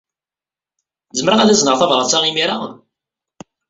Zemreɣ ad azneɣ tabṛat-a imir-a?